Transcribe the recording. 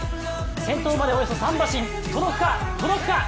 先頭までおよそ３馬身、届くか。